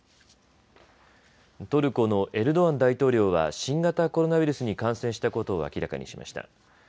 トルコのエルドアン大統領は新型コロナウイルスに感染したことを明らかにしました。